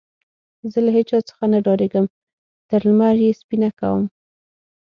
زه له هيچا څخه نه ډارېږم؛ تر لمر يې سپينه کوم.